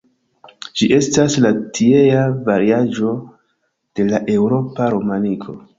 Ĝi estas la tiea variaĵo de la eŭropa romaniko.